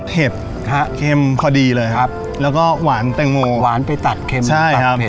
ฮะเค็มพอดีเลยครับแล้วก็หวานแตงโมหวานไปตัดเค็มใช่ครับ